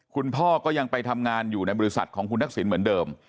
ก็ยังไปทำงานอยู่ในบริษัทของคุณทักษิณเหมือนเดิม